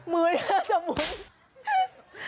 มือเนื้อจะหมุน